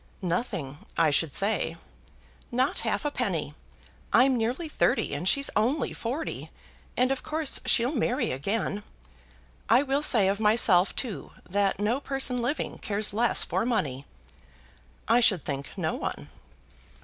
"Nothing, I should say." "Not a halfpenny. I'm nearly thirty and she's only forty, and of course she'll marry again. I will say of myself, too, that no person living cares less for money." "I should think no one."